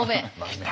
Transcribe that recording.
来た！